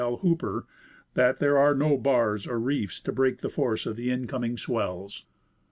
L. Hooper, that there are no bars or reefs to break the force of the incoming swells.